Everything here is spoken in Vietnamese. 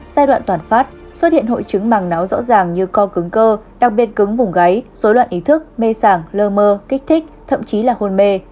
giai đoạn toàn phát xuất hiện hội chứng màng não rõ ràng như co cứng cơ đặc biệt cứng vùng gáy dối loạn ý thức mê sản lơ mơ kích thích thậm chí là hôn mê